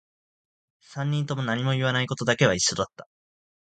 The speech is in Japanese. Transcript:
三人とも何も言わないことだけは一緒だった